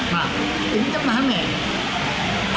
nah ini kan aneh